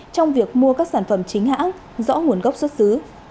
trong việc mua các sản phẩm chính hãng rõ nguồn gốc xuất xứ